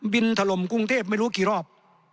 ถล่มกรุงเทพไม่รู้กี่รอบ